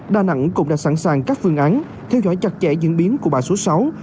đà nẵng cũng đã sẵn sàng các phương án theo dõi chặt chẽ diễn biến của bão số sáu